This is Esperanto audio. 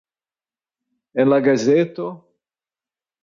En la gazeto?